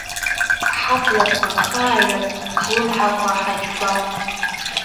Ҳабла хааҩап, ҳлымҳақәа ҳаџьгәап.